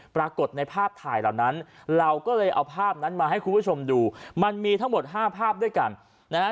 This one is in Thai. ปรากฏในภาพถ่ายเหล่านั้นเราก็เลยเอาภาพนั้นมาให้คุณผู้ชมดูมันมีทั้งหมดห้าภาพด้วยกันนะฮะ